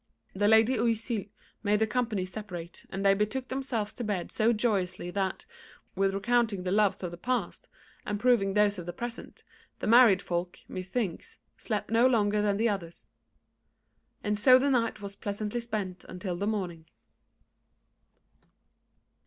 The Lady Oisille made the company separate, and they betook themselves to bed so joyously that, what with recounting the loves of the past, and proving those of the present, the married folk, methinks, slept no longer than the others. And so the night was pleasantly spent until the morning.